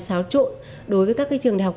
xáo trộn đối với các cái trường đại học